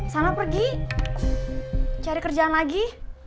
sana pergi cari kerjaan lagi